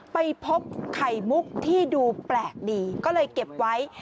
ไปพบไข่มุกที่ดูแปลกดีก็เลยเก็บไว้